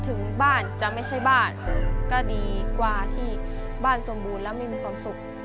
ถึงบ้านจะไม่ใช่บ้านก็ดีกว่าที่บ้านสมบูรณ์และไม่มีความสุข